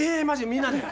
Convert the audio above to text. みんなで？